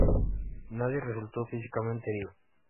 Nadie resultó físicamente herido.